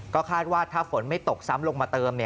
ก็คาดว่าถ้าฝนไม่ตกซ้ำลงมาเติม